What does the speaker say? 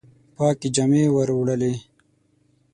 پاکي جامي وروړلي